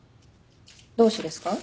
どうしてですか？